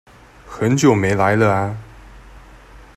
很久沒來了啊！